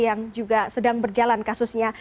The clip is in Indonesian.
yang juga sedang berjalan kasusnya